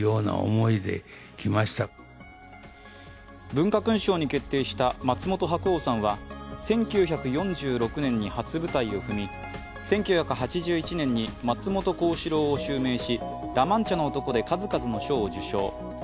文化勲章に決定した松本白鸚さんは１９４６年に初舞台を踏み、１９８１年に松本幸四郎を襲名し「ラ・マンチャの男」で数々の賞を受賞。